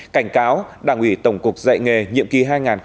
cảnh cáo đảng ủy tổng cục dạy nghề nhiệm kỳ hai nghìn một mươi hai nghìn một mươi năm